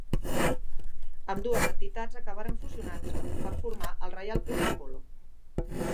Ambdues entitats acabaren fusionant-se per formar el Reial Club de Polo.